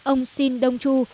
ông sin dongchu